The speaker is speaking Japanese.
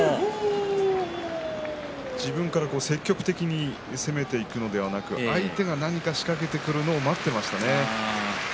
自分から積極的に攻めていくのではなく相手が仕掛けてくるのを待っていましたね。